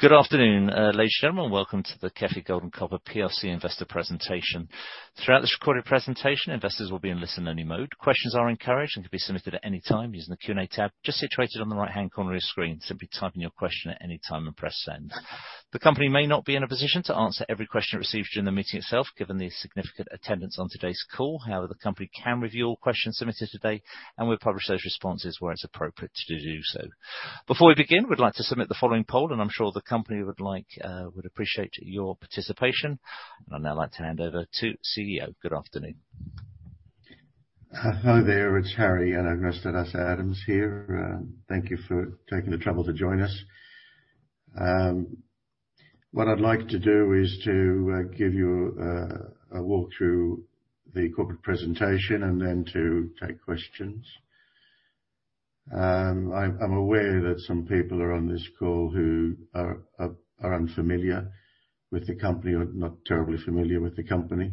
Good afternoon, ladies and gentlemen. Welcome to the KEFI Gold and Copper PLC investor presentation. Throughout this recorded presentation, investors will be in listen-only mode. Questions are encouraged and can be submitted at any time using the Q&A tab just situated on the right-hand corner of your screen. Simply type in your question at any time and press send. The company may not be in a position to answer every question received during the meeting itself, given the significant attendance on today's call. However, the company can review all questions submitted today, and we'll publish those responses where it's appropriate to do so. Before we begin, we'd like to submit the following poll, and I'm sure the company would like, would appreciate your participation. I'd now like to hand over to CEO. Good afternoon. Hi there, it's Harry Anagnostaras-Adams here. Thank you for taking the trouble to join us. What I'd like to do is to give you a walk through the corporate presentation and then to take questions. I'm aware that some people are on this call who are unfamiliar with the company or not terribly familiar with the company.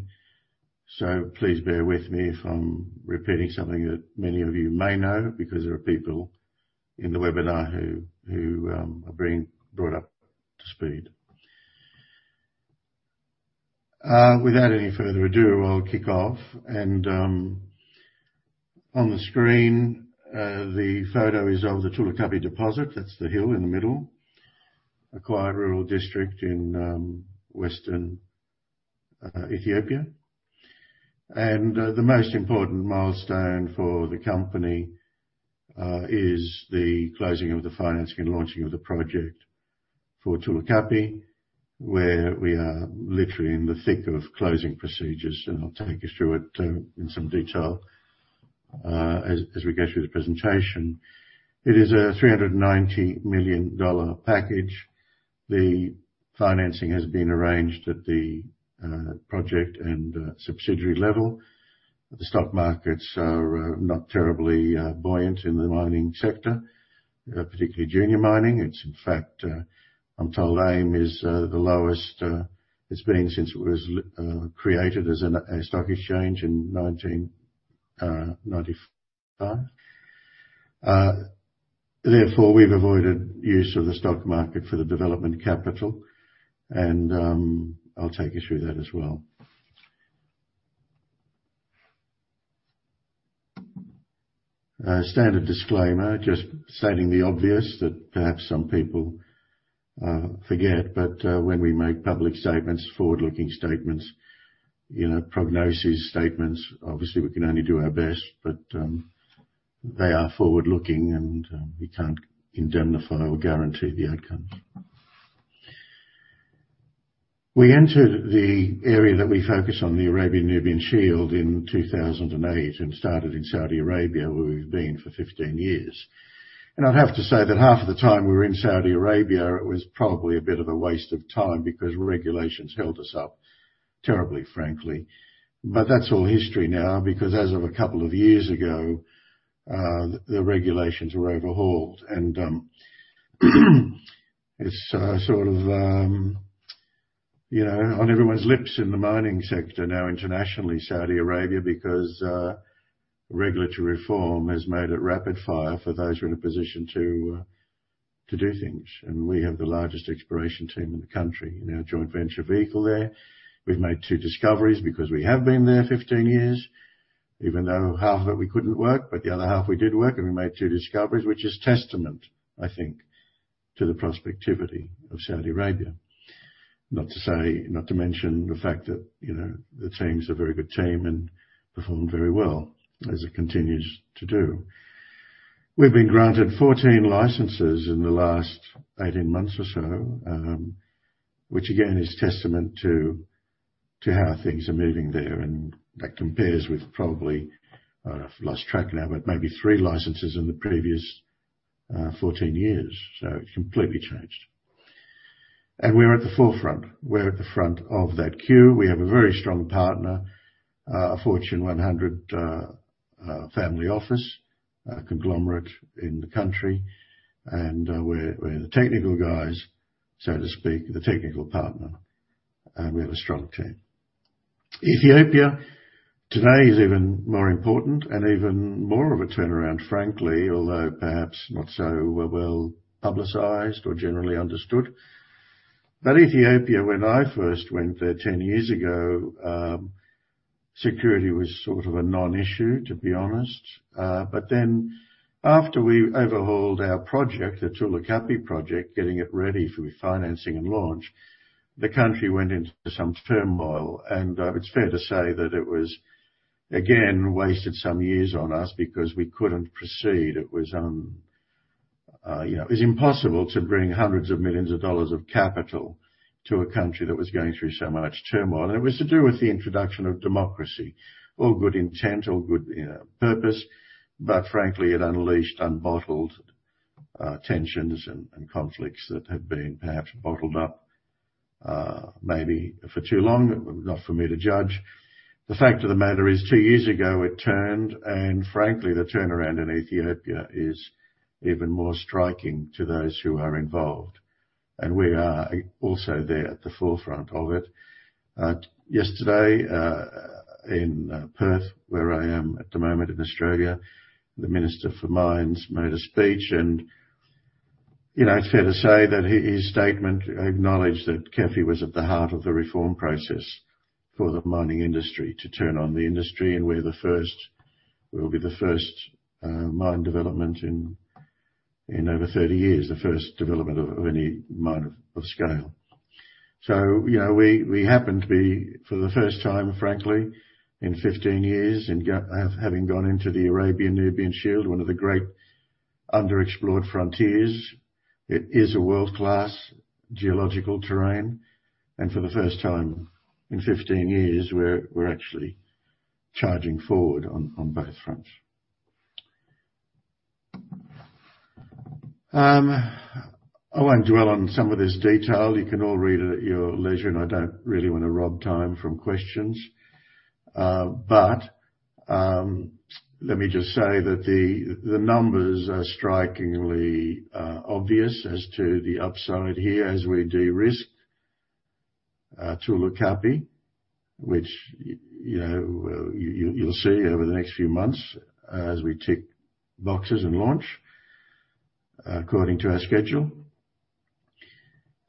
Please bear with me if I'm repeating something that many of you may know, because there are people in the webinar who are being brought up to speed. Without any further ado, I'll kick off and on the screen the photo is of the Tulu Kapi deposit, that's the hill in the middle, a quiet rural district in western Ethiopia. The most important milestone for the company is the closing of the financing and launching of the project for Tulu Kapi. We're literally in the thick of closing procedures, and I'll take you through it in some detail as we go through the presentation. It is a $390 million package. The financing has been arranged at the project and subsidiary level. The stock markets are not terribly buoyant in the mining sector, particularly junior mining. It's in fact, I'm told AIM is the lowest it's been since it was created as a stock exchange in 1995. Therefore, we've avoided use of the stock market for the development capital, and I'll take you through that as well. Standard disclaimer, just stating the obvious that perhaps some people forget, but when we make public statements, forward-looking statements, you know, prognosis statements, obviously we can only do our best. They are forward looking and we can't indemnify or guarantee the outcome. We entered the area that we focus on, the Arabian-Nubian Shield, in 2008 and started in Saudi Arabia, where we've been for 15 years. I'd have to say that half of the time we were in Saudi Arabia, it was probably a bit of a waste of time because regulations held us up terribly, frankly. That's all history now because as of a couple of years ago, the regulations were overhauled and it's sort of, you know, on everyone's lips in the mining sector now internationally, Saudi Arabia. Because regulatory reform has made it rapid fire for those who are in a position to do things. We have the largest exploration team in the country. In our joint venture vehicle there, we've made two discoveries because we have been there 15 years, even though half of it we couldn't work, but the other half we did work and we made two discoveries. Which is testament, I think, to the prospectivity of Saudi Arabia. Not to mention the fact that, you know, the team's a very good team and performed very well as it continues to do. We've been granted 14 licenses in the last 18 months or so, which again, is testament to how things are moving there. That compares with probably, I've lost track now, but maybe three licenses in the previous 14 years. It's completely changed. We're at the forefront. We're at the front of that queue. We have a very strong partner, a Fortune 100, family office, conglomerate in the country. We're the technical guys, so to speak, the technical partner, and we have a strong team. Ethiopia today is even more important and even more of a turnaround, frankly, although perhaps not so well publicized or generally understood. Ethiopia, when I first went there 10 years ago, security was sort of a non-issue, to be honest. After we overhauled our project, the Tulu Kapi project, getting it ready for refinancing and launch, the country went into some turmoil. It's fair to say that it was again wasted some years on us because we couldn't proceed. It was, you know, it was impossible to bring hundreds of millions of dollars of capital to a country that was going through so much turmoil. It was to do with the introduction of democracy. All good intent, all good, you know, purpose, but frankly, it unleashed unbottled tensions and conflicts that had been perhaps bottled up, maybe for too long. Not for me to judge. The fact of the matter is, two years ago, it turned and frankly, the turnaround in Ethiopia is even more striking to those who are involved. We are also there at the forefront of it. Yesterday, in Perth, where I am at the moment in Australia, the Minister for Mines made a speech. You know, it's fair to say that his statement acknowledged that KEFI was at the heart of the reform process for the mining industry to turn on the industry. We're the first. We'll be the first mine development in over 30 years. The first development of any mine of scale. You know, we happen to be, for the first time, frankly, in 15 years having gone into the Arabian-Nubian Shield, one of the great underexplored frontiers. It is a world-class geological terrain. For the first time in 15 years, we're actually charging forward on both fronts. I won't dwell on some of this detail. You can all read it at your leisure, and I don't really wanna rob time from questions. Let me just say that the numbers are strikingly obvious as to the upside here as we de-risk Tulu Kapi. Which, you know, you'll see over the next few months as we tick boxes and launch according to our schedule.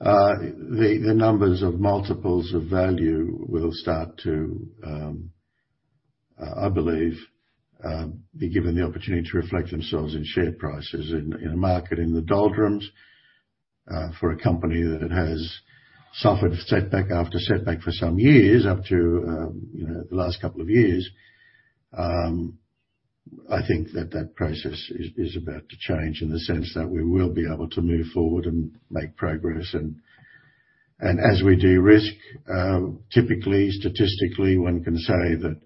The numbers of multiples of value will start to I believe be given the opportunity to reflect themselves in share prices in a market in the doldrums. For a company that has suffered setback after setback for some years up to you know the last couple of years. I think that process is about to change in the sense that we will be able to move forward and make progress. As we de-risk, typically, statistically, one can say that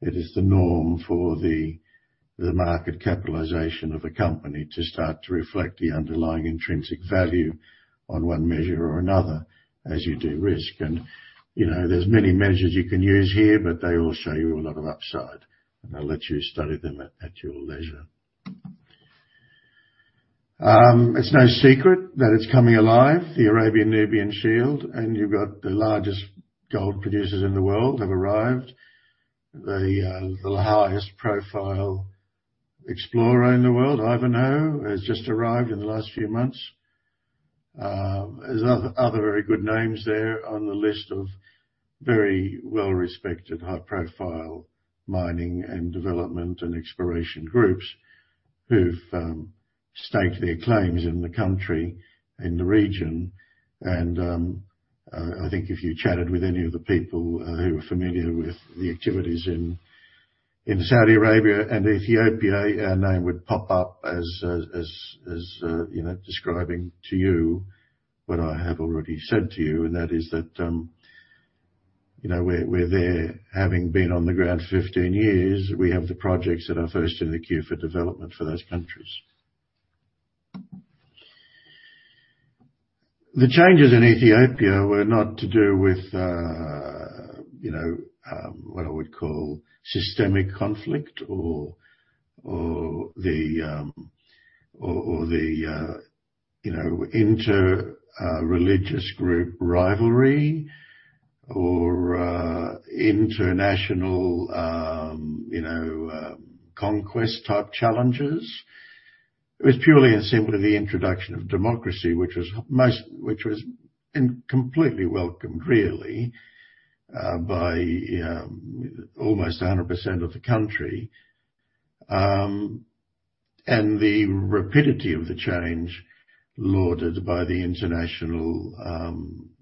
it is the norm for the market capitalization of a company to start to reflect the underlying intrinsic value on one measure or another as you de-risk. You know, there's many measures you can use here, but they all show you a lot of upside, and I'll let you study them at your leisure. It's no secret that it's coming alive, the Arabian-Nubian Shield, and you've got the largest gold producers in the world have arrived. The highest profile explorer in the world, Ivanhoe, has just arrived in the last few months. There's other very good names there on the list of very well-respected, high-profile mining and development and exploration groups who've staked their claims in the country, in the region. I think if you chatted with any of the people who are familiar with the activities in Saudi Arabia and Ethiopia, our name would pop up as, you know, describing to you what I have already said to you, and that is that, you know, we're there. Having been on the ground 15 years, we have the projects that are first in the queue for development for those countries. The changes in Ethiopia were not to do with, you know, what I would call systemic conflict or the, you know, inter-religious group rivalry or, international, you know, conquest-type challenges. It was purely and simply the introduction of democracy, which was incompletely welcomed, really, by almost 100% of the country. The rapidity of the change lauded by the international,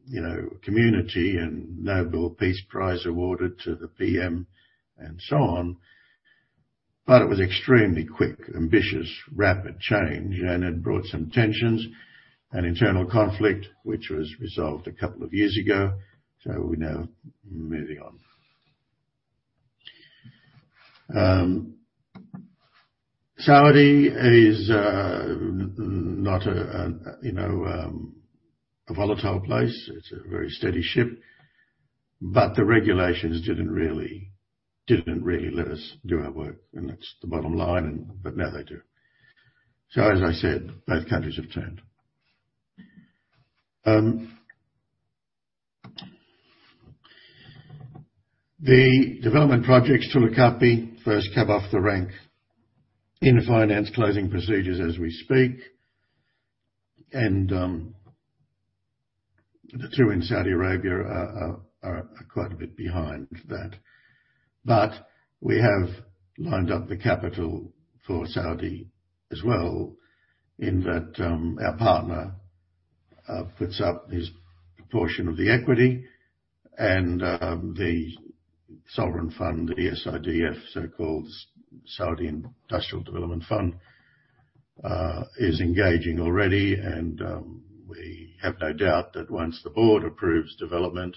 you know, community and Nobel Peace Prize awarded to the PM and so on, it was extremely quick, ambitious, rapid change, and it brought some tensions and internal conflict, which was resolved a couple of years ago, so we're now moving on. Saudi is not a, you know, a volatile place. It's a very steady ship. The regulations didn't really let us do our work, and that's the bottom line, but now they do. As I said, both countries have turned. The development projects, Tulu Kapi, first cab off the rank in finance closing procedures as we speak. The two in Saudi Arabia are quite a bit behind that. We have lined up the capital for Saudi as well in that, our partner puts up his portion of the equity and, the sovereign fund, the SIDF, so-called Saudi Industrial Development Fund, is engaging already. We have no doubt that once the board approves development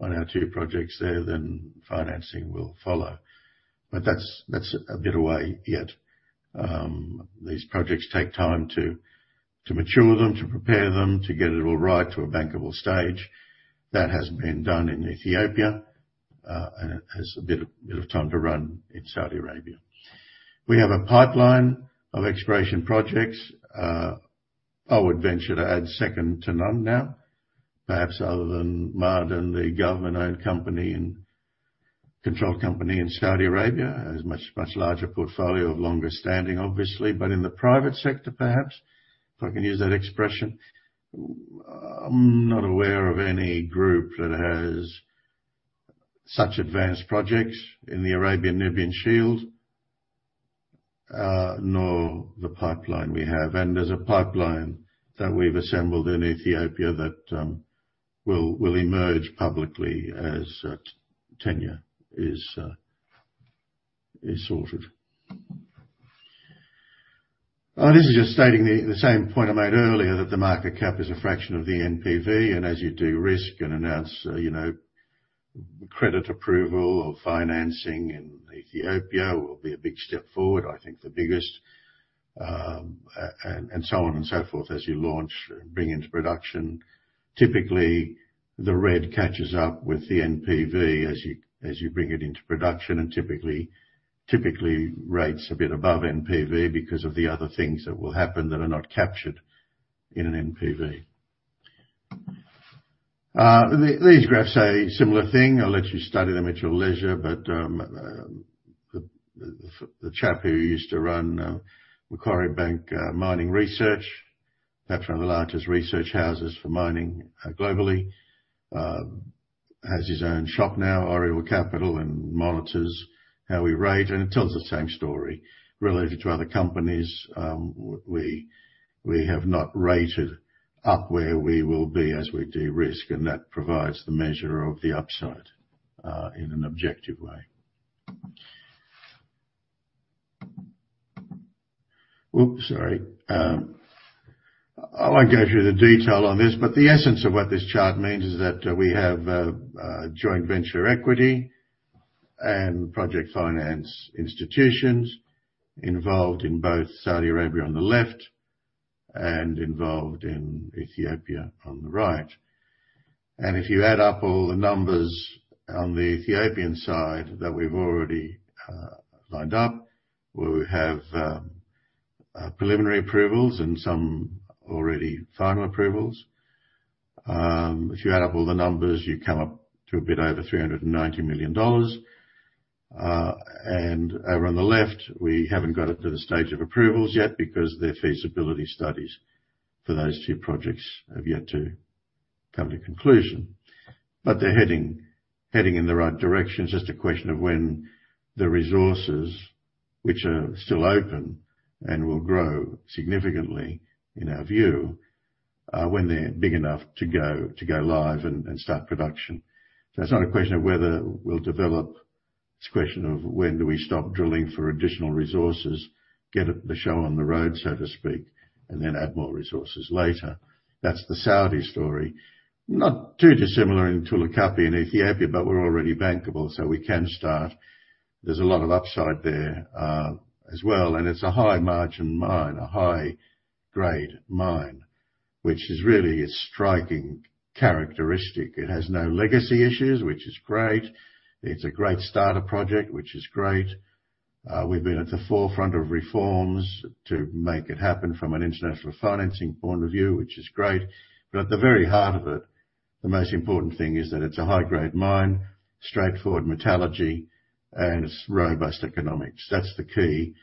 on our two projects there, then financing will follow. That's a bit away yet. These projects take time to mature them, to prepare them, to get it all right to a bankable stage. That has been done in Ethiopia, and it has a bit of time to run in Saudi Arabia. We have a pipeline of exploration projects. I would venture to add second to none now. Perhaps other than Ma'aden, the government-owned company in-control company in Saudi Arabia has much, much larger portfolio of longer standing obviously, but in the private sector, perhaps, if I can use that expression, I'm not aware of any group that has such advanced projects in the Arabian-Nubian Shield, nor the pipeline we have. There's a pipeline that we've assembled in Ethiopia that will emerge publicly as tenure is sorted. This is just stating the same point I made earlier, that the market cap is a fraction of the NPV. As you de-risk and announce, you know, credit approval or financing in Ethiopia, will be a big step forward, I think the biggest, and so on and so forth as you launch, bring into production. Typically, the red catches up with the NPV as you bring it into production. Typically rates a bit above NPV because of the other things that will happen that are not captured in an NPV. These graphs say the same thing. I'll let you study them at your leisure. The chap who used to run Macquarie Bank mining research, perhaps one of the largest research houses for mining globally, has his own shop now, Oriole Capital, and monitors how we rate, and it tells the same story. Related to other companies, we have not rated up where we will be as we de-risk, and that provides the measure of the upside in an objective way. Oops, sorry. I won't go through the detail on this, but the essence of what this chart means is that we have joint venture equity and project finance institutions involved in both Saudi Arabia on the left and involved in Ethiopia on the right. If you add up all the numbers on the Ethiopian side that we've already lined up, we have preliminary approvals and some already final approvals. If you add up all the numbers, you come up to a bit over $390 million. Over on the left, we haven't got it to the stage of approvals yet because their feasibility studies for those two projects have yet to come to conclusion. They're heading in the right direction. It's just a question of when the resources which are still open and will grow significantly in our view, when they're big enough to go live and start production. It's not a question of whether we'll develop. It's a question of when do we stop drilling for additional resources, get the show on the road, so to speak, and then add more resources later. That's the Saudi story. Not too dissimilar in Tulu Kapi in Ethiopia, but we're already bankable, so we can start. There's a lot of upside there as well, and it's a high-margin mine, a high-grade mine, which is really its striking characteristic. It has no legacy issues, which is great. It's a great starter project, which is great. We've been at the forefront of reforms to make it happen from an international financing point of view, which is great. At the very heart of it, the most important thing is that it's a high-grade mine, straightforward metallurgy and robust economics. That's the key.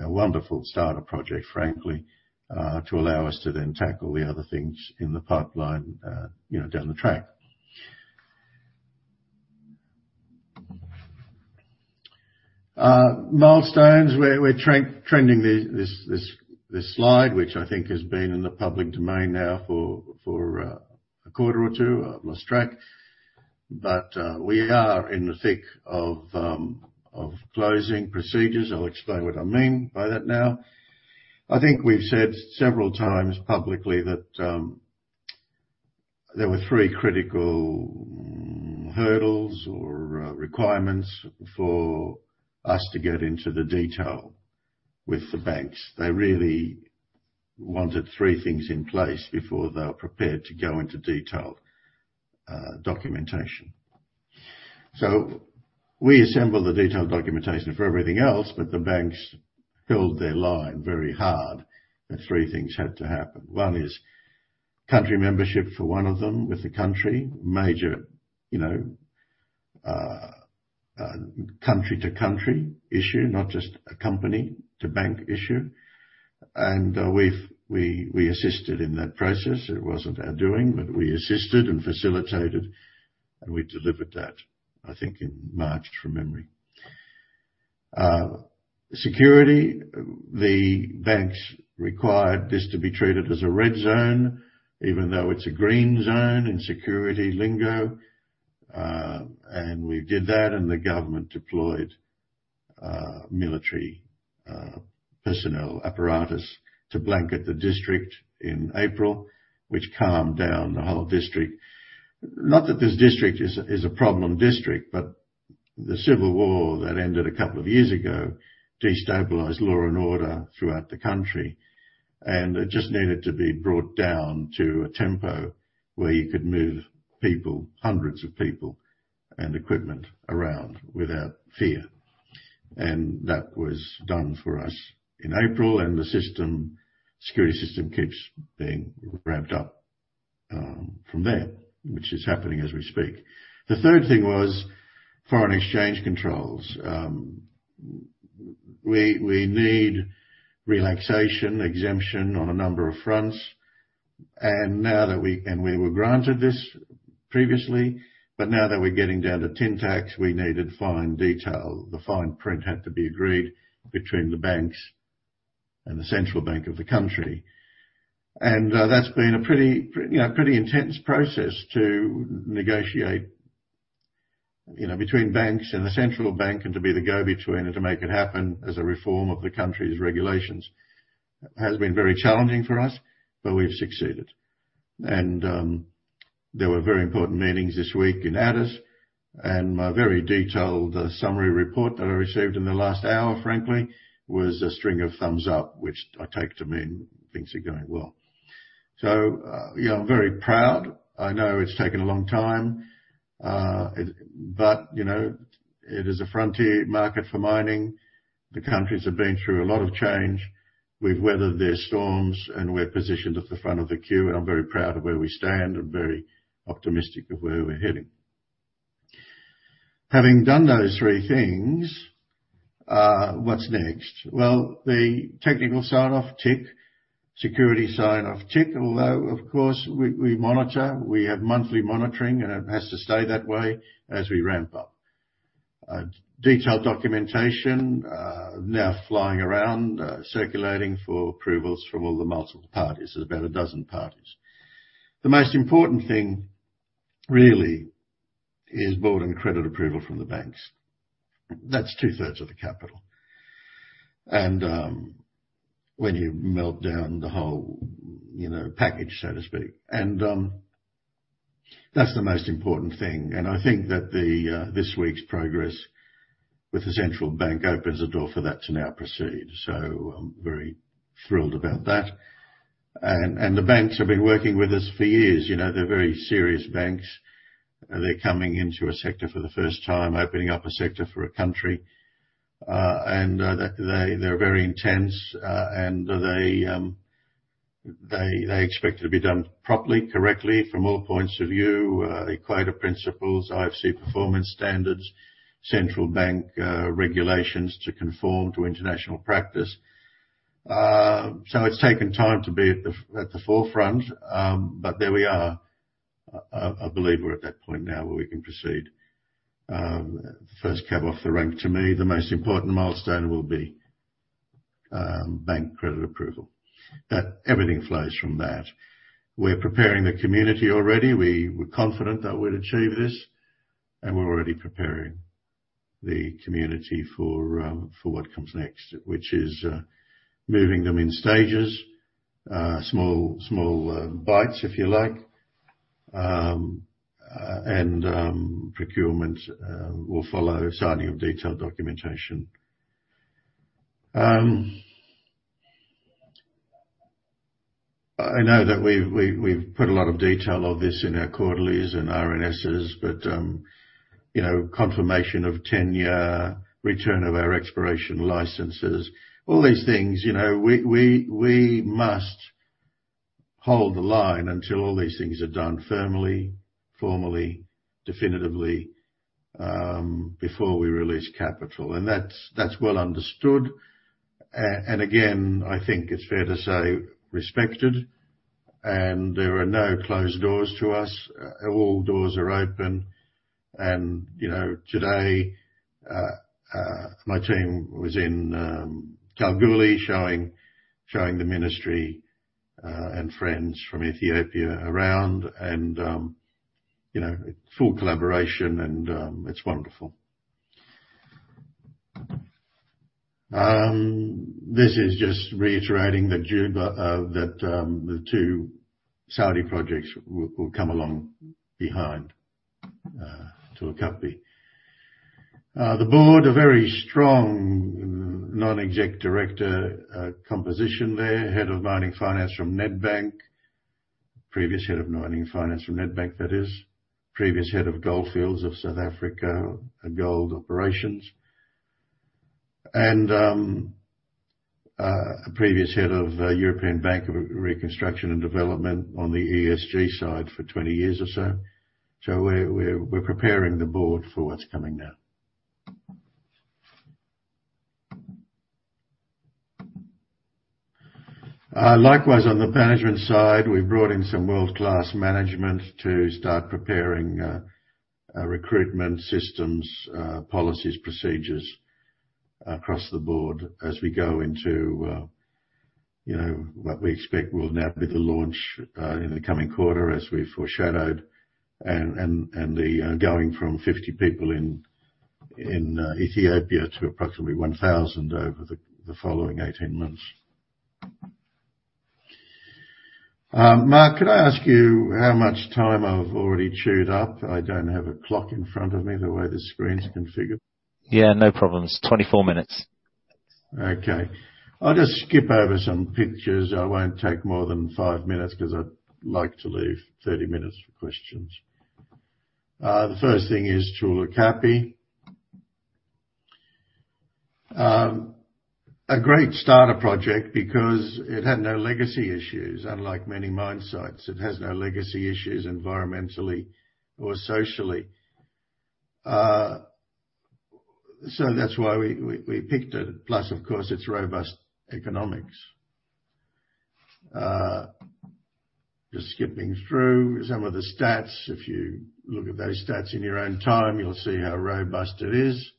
A wonderful starter project, frankly, to allow us to then tackle the other things in the pipeline, you know, down the track. Milestones. We're trending this slide, which I think has been in the public domain now for a quarter or two. I've lost track. We are in the thick of closing procedures. I'll explain what I mean by that now. I think we've said several times publicly that there were three critical hurdles or requirements for us to get into the detail with the banks. They really wanted three things in place before they were prepared to go into detailed documentation. We assembled the detailed documentation for everything else, but the banks held their line very hard that three things had to happen. One is country membership for one of them with the country. Major, you know, country to country issue, not just a company to bank issue. We've assisted in that process. It wasn't our doing, but we assisted and facilitated, and we delivered that, I think in March, from memory. Security. The banks required this to be treated as a red zone even though it's a green zone in security lingo. We did that, and the government deployed military personnel apparatus to blanket the district in April, which calmed down the whole district. Not that this district is a problem district, but the civil war that ended a couple of years ago destabilized law and order throughout the country. It just needed to be brought down to a tempo where you could move people, hundreds of people and equipment around without fear. That was done for us in April, and the security system keeps being ramped up from there, which is happening as we speak. The third thing was foreign exchange controls. We need relaxation, exemption on a number of fronts. Now that we were granted this previously, but now that we're getting down to tin tacks, we needed fine detail. The fine print had to be agreed between the banks and the central bank of the country. That's been a pretty, you know, pretty intense process to negotiate, you know, between banks and the central bank, and to be the go-between and to make it happen as a reform of the country's regulations. It has been very challenging for us, but we've succeeded. There were very important meetings this week in Addis, and my very detailed summary report that I received in the last hour, frankly, was a string of thumbs up, which I take to mean things are going well. I'm very proud. I know it's taken a long time, but you know, it is a frontier market for mining. The countries have been through a lot of change. We've weathered their storms, and we're positioned at the front of the queue, and I'm very proud of where we stand and very optimistic of where we're heading. Having done those three things, what's next? Well, the technical sign-off, tick. Security sign-off, tick. Although, of course, we monitor, we have monthly monitoring, and it has to stay that way as we ramp up. Detailed documentation now flying around, circulating for approvals from all the multiple parties. There's about a dozen parties. The most important thing really is board and credit approval from the banks. That's two-thirds of the capital. When you melt down the whole, you know, package, so to speak. That's the most important thing. I think that this week's progress with the central bank opens the door for that to now proceed. I'm very thrilled about that. The banks have been working with us for years. You know, they're very serious banks. They're coming into a sector for the first time, opening up a sector for a country, they're very intense. They expect it to be done properly, correctly from all points of view, Equator Principles, IFC Performance Standards, central bank regulations to conform to international practice. It's taken time to be at the forefront, but there we are. I believe we're at that point now where we can proceed. First cab off the rank. To me, the most important milestone will be bank credit approval. Everything flows from that. We're preparing the community already. We were confident that we'd achieve this, and we're already preparing the community for what comes next, which is moving them in stages, small bites, if you like. Procurement will follow signing of detailed documentation. I know that we've put a lot of detail of this in our quarterlies and RNSs, but you know, confirmation of ten-year return of our exploration licenses, all these things, you know. We must hold the line until all these things are done firmly, formally, definitively before we release capital. That's well understood. Again, I think it's fair to say respected. There are no closed doors to us. All doors are open. You know, today my team was in Kalgoorlie showing the ministry and friends from Ethiopia around and you know full collaboration and it's wonderful. This is just reiterating that the two Saudi projects will come along behind Tulu Kapi. The board, a very strong non-exec director composition there, head of mining finance from Nedbank. Previous head of mining finance from Nedbank, that is. Previous head of Gold Fields of South Africa and gold operations. Previous head of European Bank for Reconstruction and Development on the ESG side for 20 years or so. We're preparing the board for what's coming now. Likewise on the management side, we've brought in some world-class management to start preparing recruitment systems, policies, procedures across the board as we go into, you know, what we expect will now be the launch in the coming quarter as we foreshadowed and the going from 50 people in Ethiopia to approximately 1,000 over the following 18 months. Mark, could I ask you how much time I've already chewed up? I don't have a clock in front of me, the way the screen's configured. Yeah, no problems. 24 minutes. Okay. I'll just skip over some pictures. I won't take more than five minutes because I'd like to leave 30 minutes for questions. The first thing is Tulu Kapi. A great starter project because it had no legacy issues, unlike many mine sites. It has no legacy issues environmentally or socially. That's why we picked it. Plus, of course, its robust economics. Just skipping through some of the stats. If you look at those stats in your own time, you'll see how robust it is.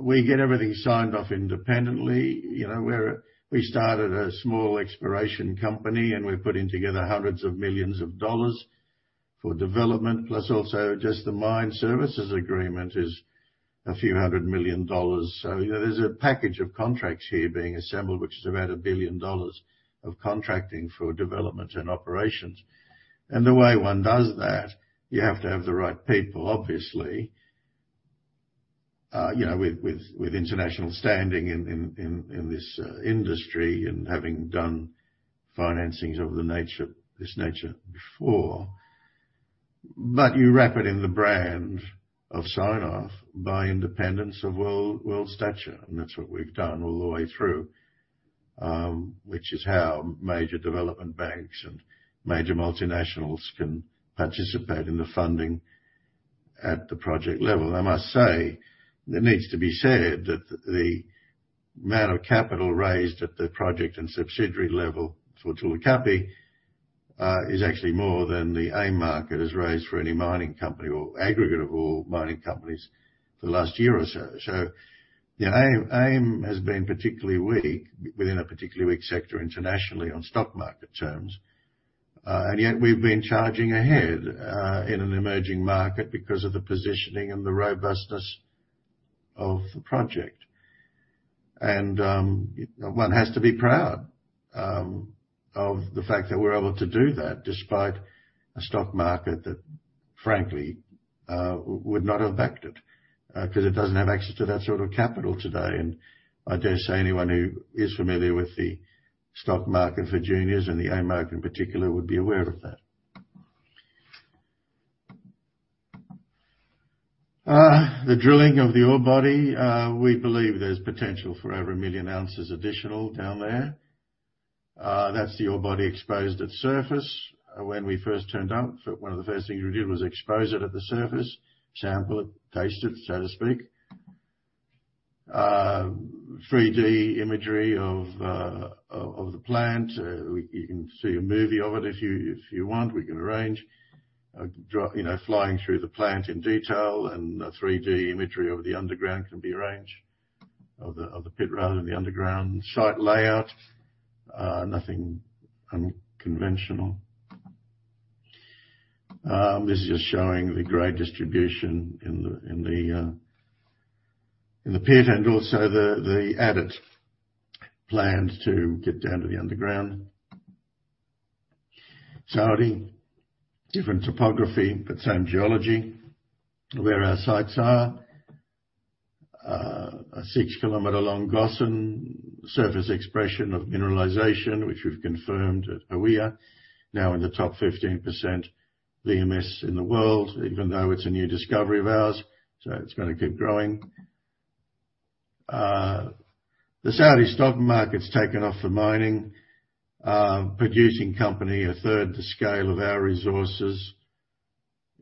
We get everything signed off independently. You know, we started a small exploration company, and we're putting together hundreds of millions of dollars for development, plus also just the mine services agreement is a few hundred million dollars. You know, there's a package of contracts here being assembled, which is about $1 billion of contracting for development and operations. The way one does that, you have to have the right people, obviously, you know, with international standing in this industry and having done financings of this nature before. You wrap it in the brand of sign-off by independents of world stature. That's what we've done all the way through, which is how major development banks and major multinationals can participate in the funding at the project level. I must say, it needs to be said that the amount of capital raised at the project and subsidiary level for Tulu Kapi is actually more than the AIM market has raised for any mining company or aggregate of all mining companies for the last year or so. You know, AIM has been particularly weak within a particularly weak sector internationally on stock market terms. Yet we've been charging ahead in an emerging market because of the positioning and the robustness of the project. One has to be proud of the fact that we're able to do that despite a stock market that, frankly, would not have backed it. Because it doesn't have access to that sort of capital today. I dare say anyone who is familiar with the stock market for juniors and the AIM market in particular would be aware of that. The drilling of the ore body, we believe there's potential for over one million ounces additional down there. That's the ore body exposed at surface. When we first turned up, one of the first things we did was expose it at the surface, sample it, taste it, so to speak. 3-D imagery of the plant. You can see a movie of it if you want. We can arrange a drone, you know, flying through the plant in detail and a 3-D imagery of the underground can be arranged of the pit rather than the underground site layout. Nothing unconventional. This is just showing the grade distribution in the pit and also the adit planned to get down to the underground. Saudi has different topography, but same geology, where our sites are. A 6-kilometer long gossan surface expression of mineralization, which we've confirmed at Hawiah. Now in the top 15% VMS in the world, even though it's a new discovery of ours, so it's gonna keep growing. The Saudi stock market's taken off for mining. A producing company a third the scale of our resources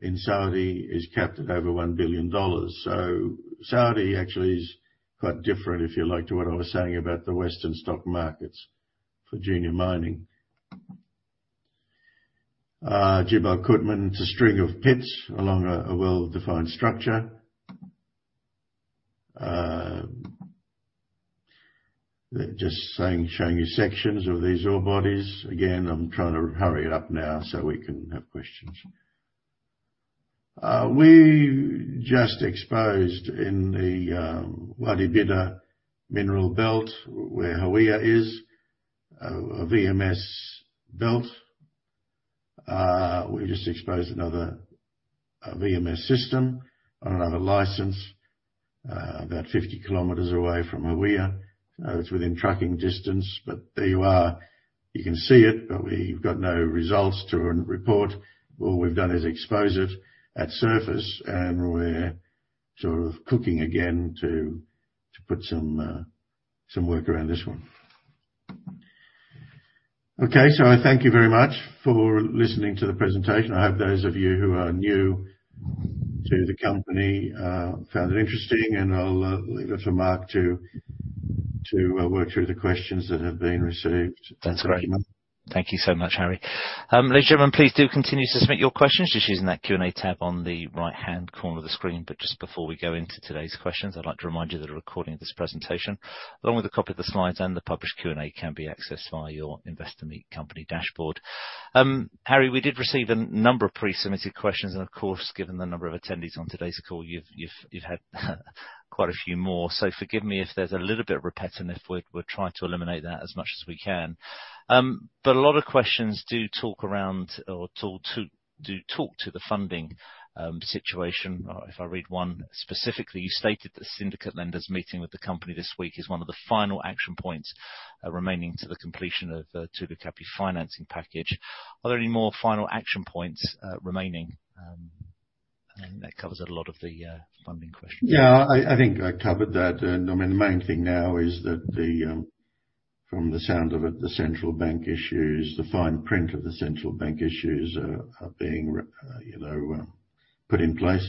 in Saudi is capped at over $1 billion. Saudi actually is quite different, if you like, to what I was saying about the Western stock markets for junior mining. Jibal Qutman, it's a string of pits along a well-defined structure. They're just showing you sections of these ore bodies. Again, I'm trying to hurry it up now so we can have questions. We just exposed in the Wadi Bida mineral belt where Hawiah is a VMS belt. We just exposed another VMS system on another license, about 50 km away from Hawiah. It's within trucking distance, but there you are. You can see it, but we've got no results to report. All we've done is expose it at surface, and we're sort of cooking again to put some work around this one. Okay. I thank you very much for listening to the presentation. I hope those of you who are new to the company found it interesting, and I'll leave it for Mark to work through the questions that have been received. That's great. Thank you so much, Harry. Ladies and gentlemen, please do continue to submit your questions just using that Q&A tab on the right-hand corner of the screen. Just before we go into today's questions, I'd like to remind you that a recording of this presentation, along with a copy of the slides and the published Q&A, can be accessed via your Investor Meet Company dashboard. Harry, we did receive a number of pre-submitted questions, and of course, given the number of attendees on today's call, you've had quite a few more. Forgive me if there's a little bit of repetitiveness. We're trying to eliminate that as much as we can. A lot of questions do talk to the funding situation. If I read one specifically, you stated that syndicate lenders meeting with the company this week is one of the final action points remaining to the completion of the Tulu Kapi financing package. Are there any more final action points remaining? That covers a lot of the funding questions. Yeah. I think I covered that. I mean, the main thing now is that, from the sound of it, the central bank issues, the fine print of the central bank issues are being, you know, put in place.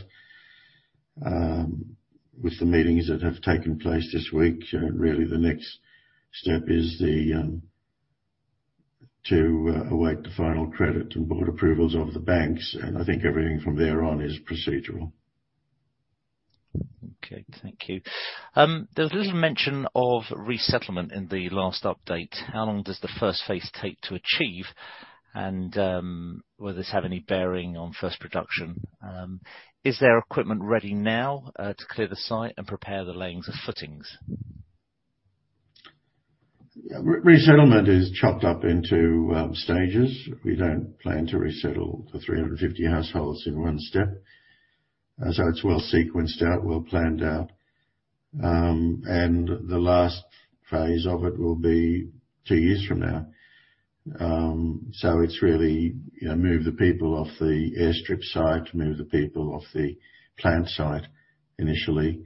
With the meetings that have taken place this week, really the next step is to await the final credit and board approvals of the banks. I think everything from there on is procedural. Okay. Thank you. There was a little mention of resettlement in the last update. How long does the first phase take to achieve? Will this have any bearing on first production? Is there equipment ready now to clear the site and prepare the layings of footings? Resettlement is chopped up into stages. We don't plan to resettle the 350 households in one step. It's well sequenced out, well planned out. The last phase of it will be two years from now. It's really, you know, move the people off the airstrip site, move the people off the plant site initially.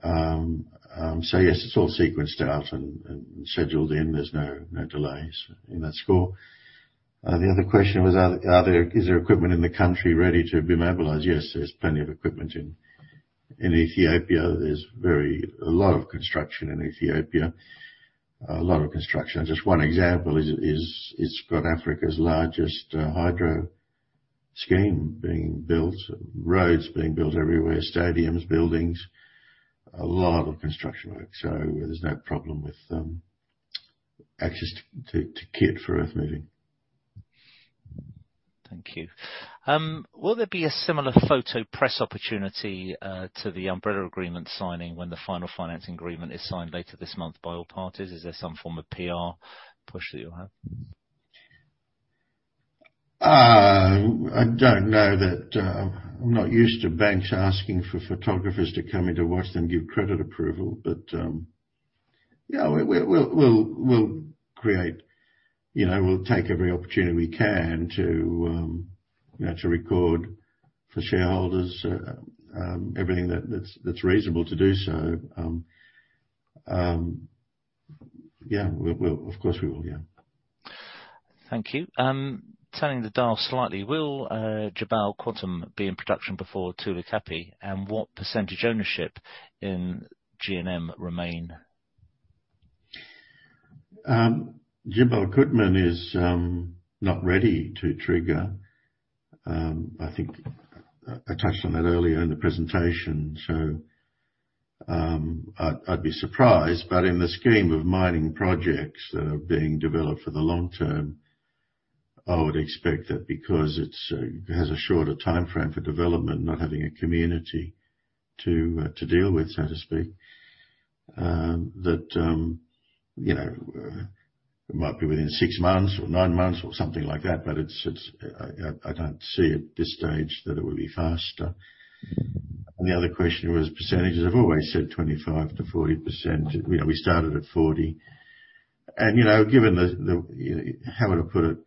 Yes, it's all sequenced out and scheduled in. There's no delays in that score. The other question was, is there equipment in the country ready to be mobilized? Yes, there's plenty of equipment in Ethiopia. There's a lot of construction in Ethiopia. A lot of construction. Just one example is it's got Africa's largest hydro scheme being built, roads being built everywhere, stadiums, buildings. A lot of construction work. There's no problem with access to kit for earthmoving. Thank you. Will there be a similar photo press opportunity to the umbrella agreement signing when the final financing agreement is signed later this month by all parties? Is there some form of PR push that you'll have? I don't know that I'm not used to banks asking for photographers to come in to watch them give credit approval. Yeah, we'll take every opportunity we can to, you know, to record for shareholders everything that's reasonable to do so. Yeah. Of course we will, yeah. Thank you. Turning the dial slightly. Will Jibal Qutman be in production before Tulu Kapi? What percentage ownership in G&M remain? Jibal Qutman is not ready to trigger. I think I touched on that earlier in the presentation. I'd be surprised. In the scheme of mining projects that are being developed for the long term, I would expect that because it has a shorter timeframe for development, not having a community to deal with, so to speak, that you know it might be within six months or nine months or something like that, but I don't see at this stage that it will be faster. The other question was percentages. I've always said 25%-40%. You know, we started at 40. You know, given the you know how to put it,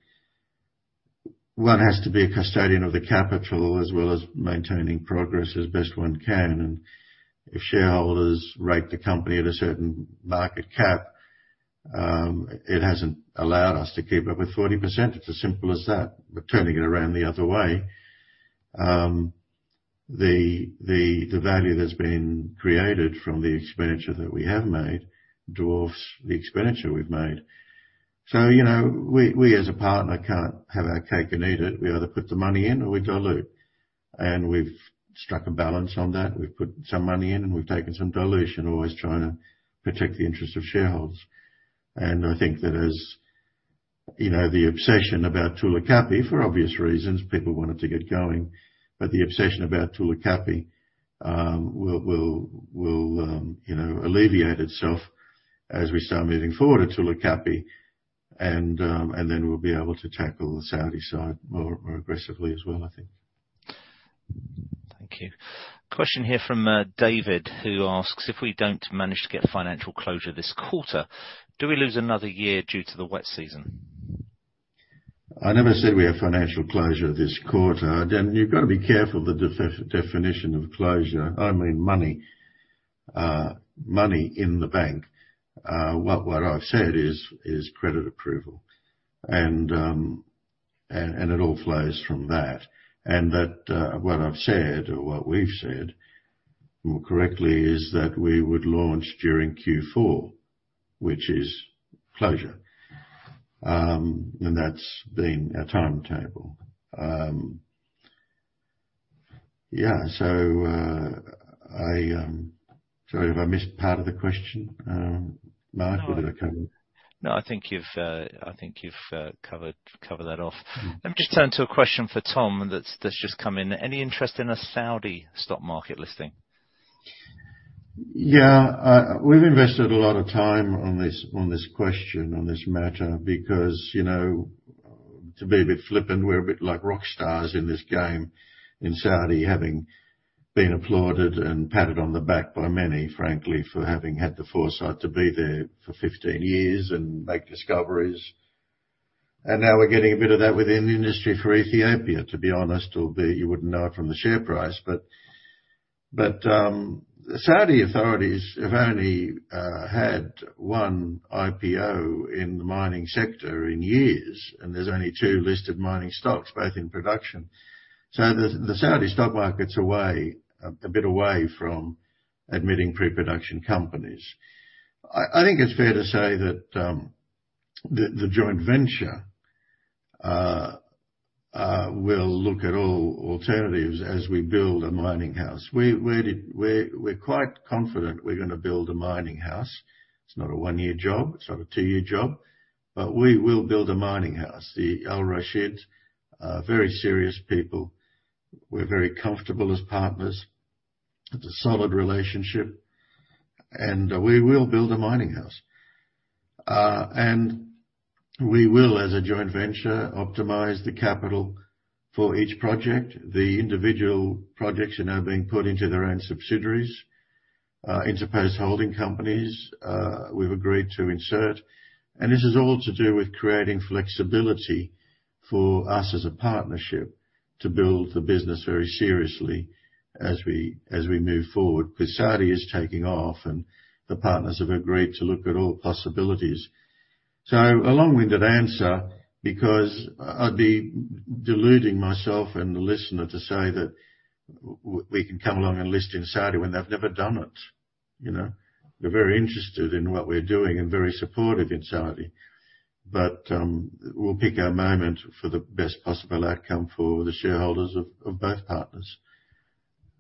one has to be a custodian of the capital as well as maintaining progress as best one can. If shareholders rate the company at a certain market cap, it hasn't allowed us to keep up with 40%. It's as simple as that. Turning it around the other way, the value that's been created from the expenditure that we have made dwarfs the expenditure we've made. You know, we as a partner can't have our cake and eat it. We either put the money in or we dilute. We've struck a balance on that. We've put some money in, and we've taken some dilution, always trying to protect the interest of shareholders. I think that, you know, the obsession about Tulu Kapi, for obvious reasons, people want it to get going, but the obsession about Tulu Kapi will, you know, alleviate itself as we start moving forward at Tulu Kapi. We'll be able to tackle the Saudi side more aggressively as well, I think. Thank you. Question here from David, who asks, "If we don't manage to get financial closure this quarter, do we lose another year due to the wet season? I never said we have financial closure this quarter. You've got to be careful the definition of closure. I mean money in the bank. What I've said is credit approval. It all flows from that. What I've said or what we've said more correctly is that we would launch during Q4, which is closure. That's been our timetable. Yeah. Sorry if I missed part of the question, Mark, or did I cover it? No, I think you've covered that off. Let me just turn to a question for Tom that's just come in. Any interest in a Saudi stock market listing? Yeah, we've invested a lot of time on this, on this question, on this matter, because, you know, to be a bit flippant, we're a bit like rock stars in this game in Saudi, having been applauded and patted on the back by many, frankly, for having had the foresight to be there for 15 years and make discoveries. Now we're getting a bit of that within the industry for Ethiopia, to be honest, albeit you wouldn't know it from the share price. The Saudi authorities have only had one IPO in the mining sector in years, and there's only two listed mining stocks, both in production. The Saudi stock market's a bit away from admitting pre-production companies. I think it's fair to say that the joint venture will look at all alternatives as we build a mining house. We're quite confident we're gonna build a mining house. It's not a one-year job. It's not a two-year job. We will build a mining house. Al Rashid are very serious people. We're very comfortable as partners. It's a solid relationship, and we will build a mining house. We will, as a joint venture, optimize the capital for each project. The individual projects are now being put into their own subsidiaries, intermediate holding companies we've agreed to insert. This is all to do with creating flexibility for us as a partnership to build the business very seriously as we move forward. Because Saudi is taking off, and the partners have agreed to look at all possibilities. A long-winded answer, because I'd be deluding myself and the listener to say that we can come along and list in Saudi when they've never done it, you know. They're very interested in what we're doing and very supportive in Saudi, but we'll pick our moment for the best possible outcome for the shareholders of both partners.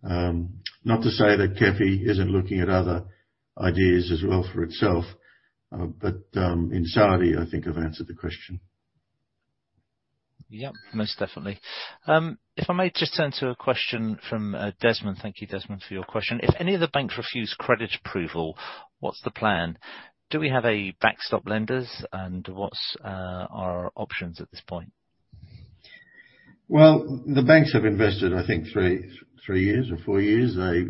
Not to say that KEFI isn't looking at other ideas as well for itself, but in Saudi, I think I've answered the question. Yeah, most definitely. If I may just turn to a question from Desmond. Thank you, Desmond, for your question. If any of the banks refuse credit approval, what's the plan? Do we have a backstop lenders? What's our options at this point? Well, the banks have invested, I think three years or four years. They've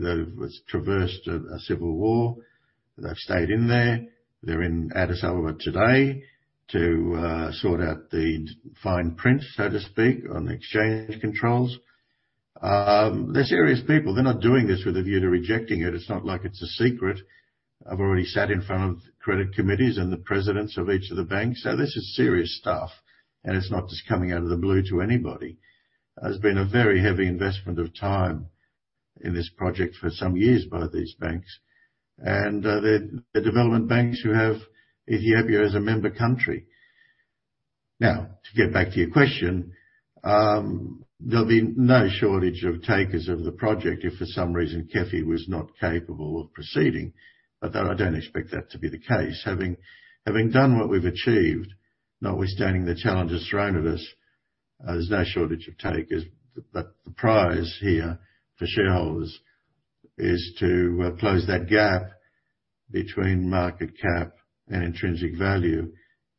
traversed a civil war. They've stayed in there. They're in Addis Ababa today to sort out the fine print, so to speak, on exchange controls. They're serious people. They're not doing this with a view to rejecting it. It's not like it's a secret. I've already sat in front of credit committees and the presidents of each of the banks. This is serious stuff, and it's not just coming out of the blue to anybody. There's been a very heavy investment of time in this project for some years by these banks and the development banks who have Ethiopia as a member country. Now, to get back to your question, there'll be no shortage of takers of the project if for some reason KEFI was not capable of proceeding. Though I don't expect that to be the case, having done what we've achieved, notwithstanding the challenges thrown at us, there's no shortage of takers. The prize here for shareholders is to close that gap between market cap and intrinsic value.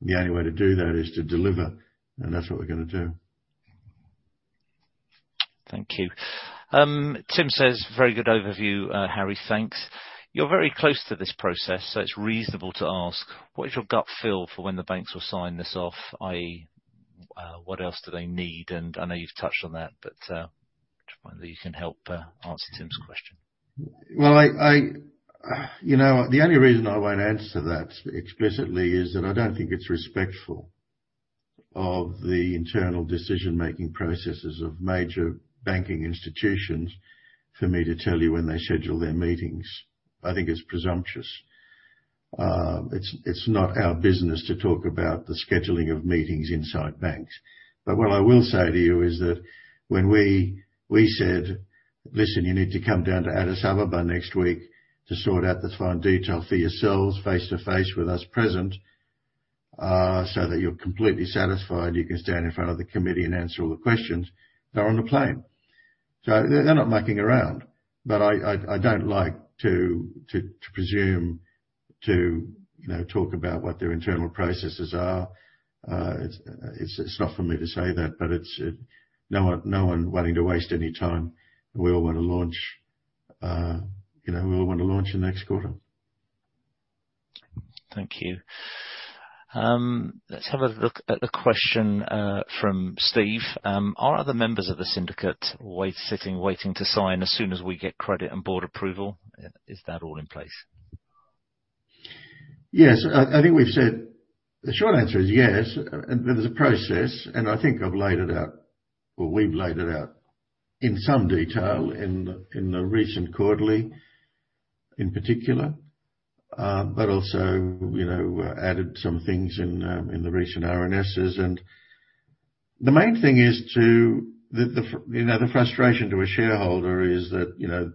The only way to do that is to deliver, and that's what we're gonna do. Thank you. Tim says, very good overview, Harry, thanks. You're very close to this process, so it's reasonable to ask: What is your gut feel for when the banks will sign this off, i.e., what else do they need? I know you've touched on that, but just wonder if you can help answer Tim's question. Well, you know, the only reason I won't answer that explicitly is that I don't think it's respectful of the internal decision-making processes of major banking institutions for me to tell you when they schedule their meetings. I think it's presumptuous. It's not our business to talk about the scheduling of meetings inside banks. What I will say to you is that when we said, "Listen, you need to come down to Addis Ababa next week to sort out the fine detail for yourselves face-to-face with us present, so that you're completely satisfied you can stand in front of the committee and answer all the questions," they're on the plane. They're not mucking around. I don't like to presume to, you know, talk about what their internal processes are. It's not for me to say that, but it's no one wanting to waste any time. We all wanna launch, you know, we all wanna launch in the next quarter. Thank you. Let's have a look at the question from Steve. Are other members of the syndicate sitting, waiting to sign as soon as we get credit and board approval? Is that all in place? Yes. I think we've said the short answer is yes. There's a process, and I think I've laid it out, or we've laid it out in some detail in the recent quarterly in particular, but also, you know, added some things in the recent RNSs. The main thing is the frustration to a shareholder is that, you know,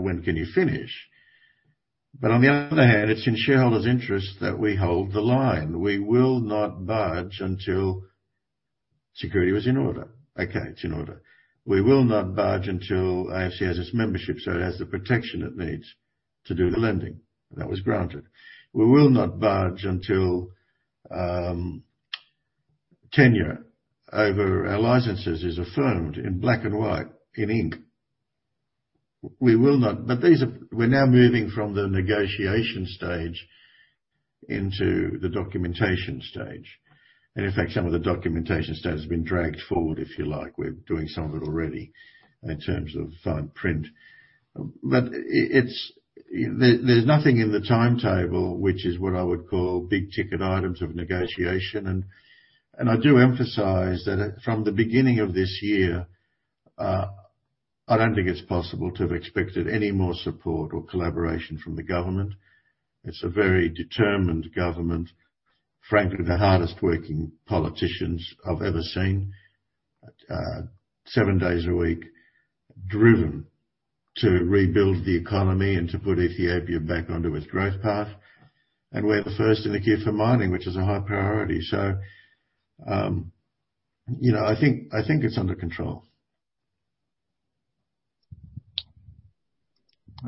when can you finish? On the other hand, it's in shareholders' interest that we hold the line. We will not budge until security was in order. Okay, it's in order. We will not budge until IFC has its membership, so it has the protection it needs to do the lending. That was granted. We will not budge until tenure over our licenses is affirmed in black and white in ink. We will not. These are. We're now moving from the negotiation stage into the documentation stage. In fact, some of the documentation stage has been dragged forward, if you like. We're doing some of it already in terms of fine print. There's nothing in the timetable, which is what I would call big-ticket items of negotiation. I do emphasize that, from the beginning of this year, I don't think it's possible to have expected any more support or collaboration from the government. It's a very determined government. Frankly, the hardest-working politicians I've ever seen. Seven days a week, driven to rebuild the economy and to put Ethiopia back onto its growth path. We're the first in the queue for mining, which is a high priority. You know, I think it's under control.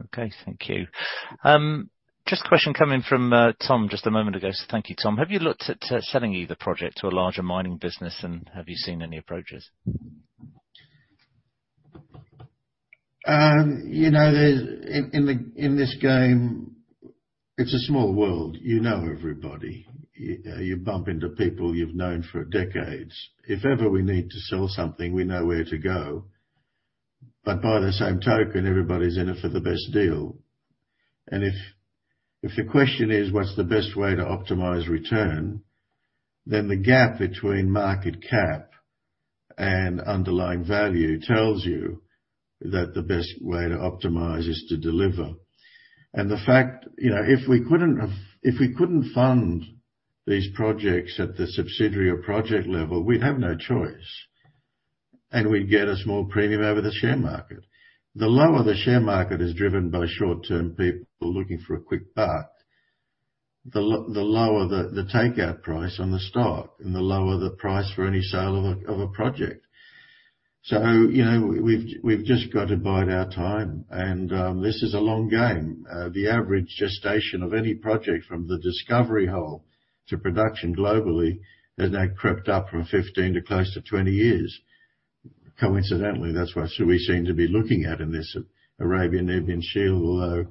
Okay. Thank you. Just a question coming from Tom just a moment ago. Thank you, Tom. Have you looked at selling the project to a larger mining business, and have you seen any approaches? In this game, it's a small world. You know, everybody. You bump into people you've known for decades. If ever we need to sell something, we know where to go. But by the same token, everybody's in it for the best deal. If your question is, what's the best way to optimize return, then the gap between market cap and underlying value tells you that the best way to optimize is to deliver. You know, if we couldn't fund these projects at the subsidiary or project level, we'd have no choice, and we'd get a small premium over the share market. The lower the share market is driven by short-term people looking for a quick buck, the lower the takeout price on the stock and the lower the price for any sale of a project. You know, we've just got to bide our time. This is a long game. The average gestation of any project from the discovery hole to production globally has now crept up from 15 to close to 20 years. Coincidentally, that's what we seem to be looking at in this Arabian-Nubian Shield, although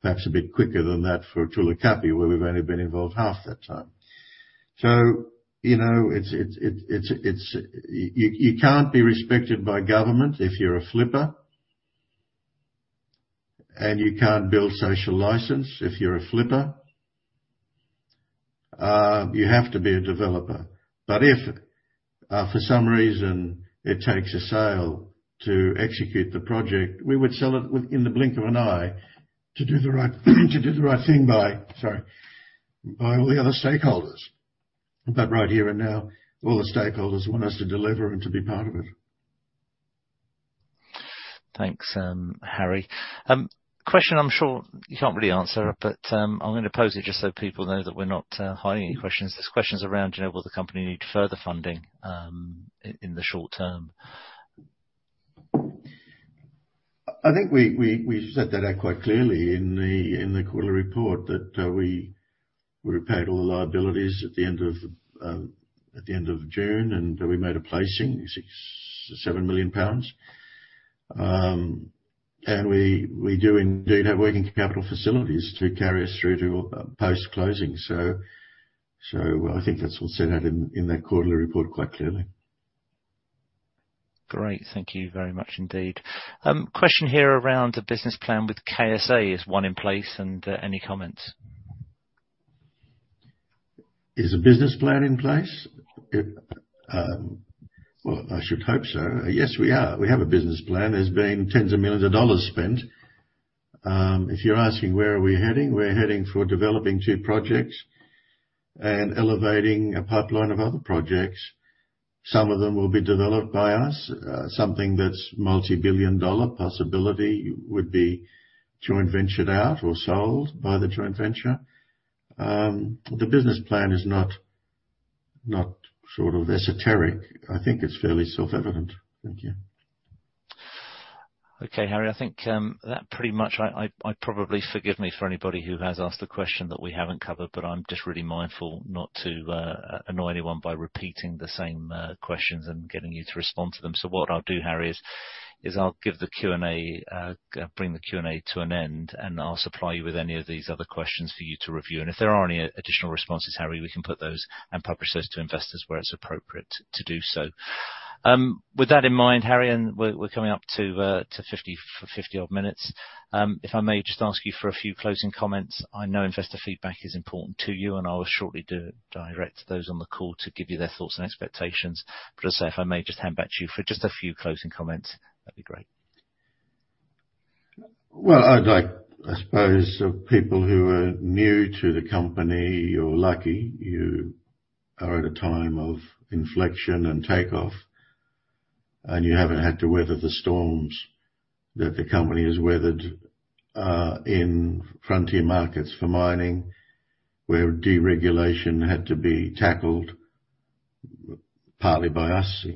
perhaps a bit quicker than that for Tulu Kapi, where we've only been involved half that time. You know, you can't be respected by government if you're a flipper. You can't build social license if you're a flipper. You have to be a developer. If, for some reason it takes a sale to execute the project, we would sell it in the blink of an eye to do the right thing by, sorry, by all the other stakeholders. Right here and now, all the stakeholders want us to deliver and to be part of it. Thanks, Harry. Question I'm sure you can't really answer, but I'm gonna pose it just so people know that we're not hiding any questions. There's questions around, you know, will the company need further funding in the short term? I think we set that out quite clearly in the quarterly report that we repaid all liabilities at the end of June, and we made a placing, 6 million-7 million pounds. We do indeed have working capital facilities to carry us through to post-closing. I think that's all set out in that quarterly report quite clearly. Great. Thank you very much indeed. Question here around a business plan with KSA. Is one in place and, any comments? Is a business plan in place? Well, I should hope so. Yes, we are. We have a business plan. There's been tens of millions of dollars spent. If you're asking where we're heading, we're heading for developing two projects and elevating a pipeline of other projects. Some of them will be developed by us. Something that's multi-billion-dollar possibility would be joint ventured out or sold by the joint venture. The business plan is not sort of esoteric. I think it's fairly self-evident. Thank you. Okay, Harry. I think that pretty much. Forgive me for anybody who has asked a question that we haven't covered, but I'm just really mindful not to annoy anyone by repeating the same questions and getting you to respond to them. What I'll do, Harry, is I'll give the Q&A- bring the Q&A to an end, and I'll supply you with any of these other questions for you to review. If there are any additional responses, Harry, we can put those and publish those to investors where it's appropriate to do so. With that in mind, Harry, and we're coming up to 50 odd minutes. If I may just ask you for a few closing comments. I know investor feedback is important to you, and I'll shortly direct those on the call to give you their thoughts and expectations. As I say, if I may just hand back to you for just a few closing comments, that'd be great. Well, I suppose people who are new to the company, you're lucky. You are at a time of inflection and takeoff, and you haven't had to weather the storms that the company has weathered in frontier markets for mining, where deregulation had to be tackled, partly by us,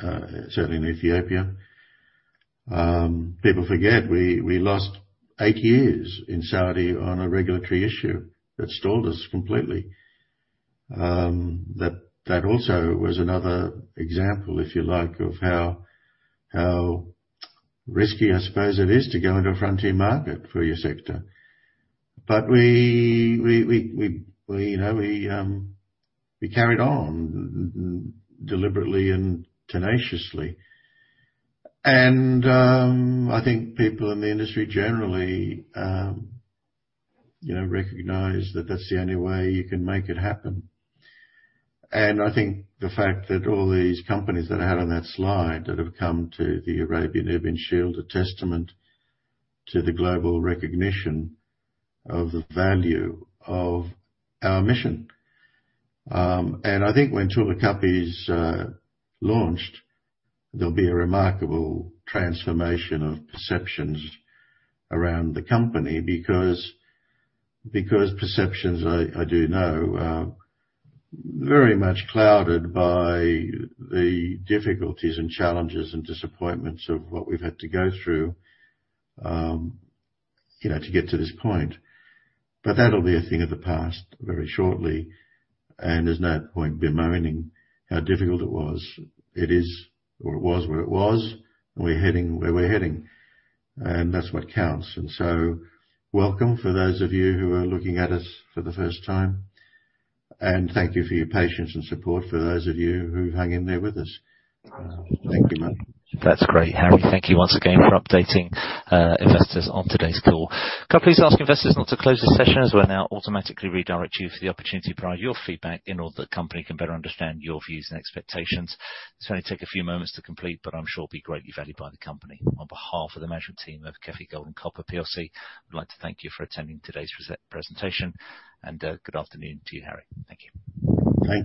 certainly in Ethiopia. People forget we lost eight years in Saudi on a regulatory issue that stalled us completely. That also was another example, if you like, of how risky I suppose it is to go into a frontier market for your sector. We you know we carried on deliberately and tenaciously. I think people in the industry generally you know recognize that that's the only way you can make it happen. I think the fact that all these companies that I had on that slide that have come to the Arabian-Nubian Shield have been a testament to the global recognition of the value of our mission. I think when Tulu Kapi is launched, there'll be a remarkable transformation of perceptions around the company because perceptions I do know are very much clouded by the difficulties and challenges and disappointments of what we've had to go through, you know, to get to this point. But that'll be a thing of the past very shortly, and there's no point bemoaning how difficult it was. It is or it was what it was. We're heading where we're heading. And that's what counts. Welcome for those of you who are looking at us for the first time. Thank you for your patience and support for those of you who've hung in there with us. Thank you. That's great, Harry. Thank you once again for updating investors on today's call. Could I please ask investors not to close this session, as we'll now automatically redirect you for the opportunity to provide your feedback in order that the company can better understand your views and expectations. This will only take a few moments to complete, but I'm sure it'll be greatly valued by the company. On behalf of the management team of KEFI Gold and Copper PLC, I'd like to thank you for attending today's presentation. Good afternoon to you, Harry. Thank you. Thank you.